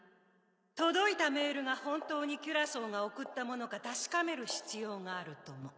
届いたメールが本当にキュラソーが送ったものか確かめる必要があるとも。